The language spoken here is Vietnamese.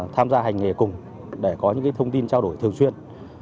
tham gia hành nghề cùng để có những thông tin trao đổi thường xuyên